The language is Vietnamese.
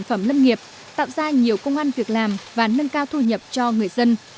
sản phẩm lâm nghiệp tạo ra nhiều công an việc làm và nâng cao thu nhập cho người dân